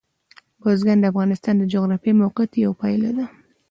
بزګان د افغانستان د جغرافیایي موقیعت یوه پایله ده.